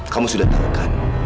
kamu sudah tau kan